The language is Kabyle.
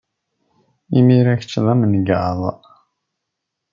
Imir-a, kečč d amengaḍ.